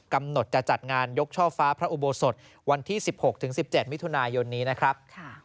กำหนดจะจัดงานยกช่อฟ้าพระอุโบสถวันที่๑๖๑๗มิถุนายนนี้นะครับ